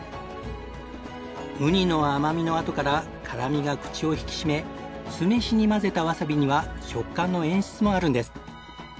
ウニの甘味のあとから辛味が口を引き締め酢飯に混ぜたわさびには食感の演出もあるんです。